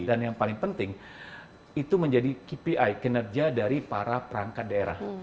dan yang paling penting itu menjadi kpi kinerja dari para perangkat daerah